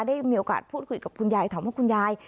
ได้มีโอกาสพูดคุยกับคุณยายถามว่าคุณยาย